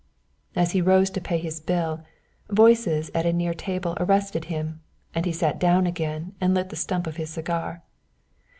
As he rose to pay his bill, voices at a near table arrested him, and he sat down again and lit the stump of his cigar.